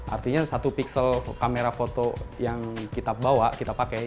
artinya satu pixel kamera foto yang kita bawa kita pakai